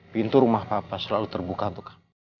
pintu rumah papa selalu terbuka buka